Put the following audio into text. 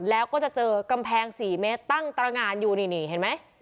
แล้วก็จะเจอกำแพง๔เมตรตั้งตรงานอยู่นี่เห็นไหม